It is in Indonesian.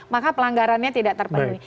maka pelanggarannya tidak terpenuhi